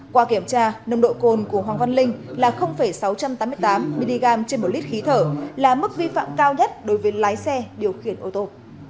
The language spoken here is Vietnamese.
qua kiểm tra nồng độ cồn của hoàng văn linh là sáu trăm tám mươi tám mg trên một lít khí thở là mức vi phạm cao nhất đối với lái xe điều khiển ô tô